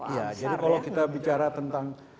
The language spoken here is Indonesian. jadi kalau kita bicara tentang